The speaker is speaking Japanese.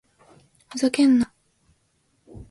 ふざけんな！